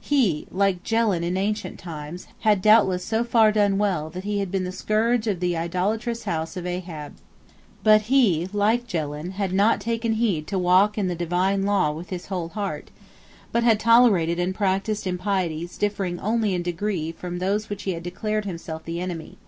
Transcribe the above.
He, like Jelin in ancient times, had doubtless so far done well that he had been the scourge of the idolatrous House of Ahab. But he, like Jelin, had not taken heed to walk in the divine law with his whole heart, but had tolerated and practised impieties differing only in degree from those of which he had declared himself the enemy.